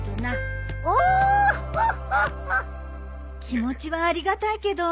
気持ちはありがたいけど。